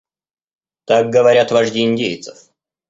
Так говорят вожди индейцев.